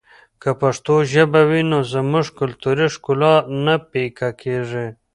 که پښتو ژبه وي نو زموږ کلتوري ښکلا نه پیکه کېږي.